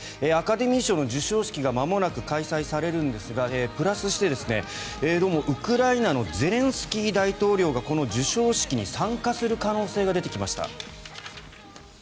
アカデミー賞の授賞式がまもなく開催されるんですがプラスして、どうもウクライナのゼレンスキー大統領がこの授賞式に参加する可能性が出てきました。